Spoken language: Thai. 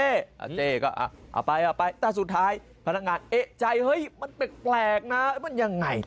เจ๊ก็เอาไปเอาไปแต่สุดท้ายพนักงานเอกใจเฮ้ยมันแปลกนะมันยังไง